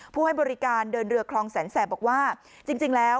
ให้บริการเดินเรือคลองแสนแสบบอกว่าจริงแล้ว